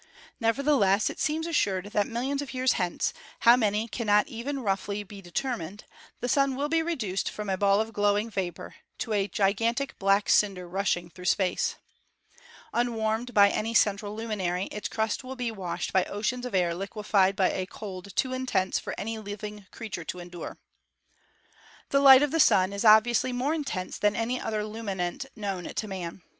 Nevertheless, it seems assured that millions of years hence, how many cannot even roughly be determined, the Sun will be reduced from a ball of glowing vapor to a gigantic black cinder rushing through space. SOLAR ENERGY 119 Unwarmed by any central luminary, its crust will be washed by oceans of air liquefied by a cold too intense for any living creature to endure. The light of the Sun is obviously more intense than any other luminant known to man.